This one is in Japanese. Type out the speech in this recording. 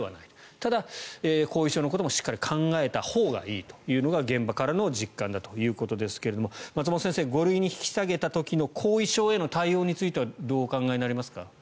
ただ、後遺症のこともしっかり考えたほうがいいというのが現場からの実感ということですが松本先生、５類に引き下げた時の後遺症への対応をどうご覧になりますか？